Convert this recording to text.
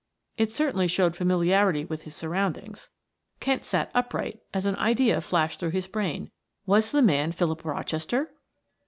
It certainly showed familiarity with his surroundings. Kent sat upright as an idea flashed through his brain was the man Philip Rochester?